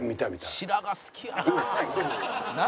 「白髪好きやなあ」